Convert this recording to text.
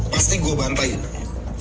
pasti gue bantai